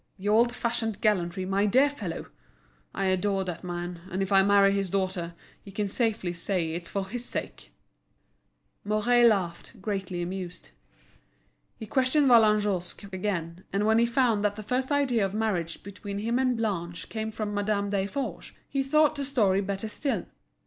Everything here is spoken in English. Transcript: The old fashioned gallantry, my dear fellow! I adore that man, and if I marry his daughter, he can safely say it's for his sake!" Mouret laughed, greatly amused. He questioned Vallagnosc again, and when he found that the first idea of a marriage between him and Blanche came from Madame Desforges, he thought the story better still.